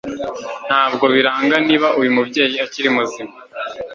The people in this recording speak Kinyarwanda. Ntabwo biranga niba uyu mubyeyi akiri muzima.